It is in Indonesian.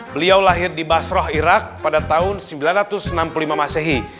beliau lahir di basroh irak pada tahun seribu sembilan ratus enam puluh lima masehi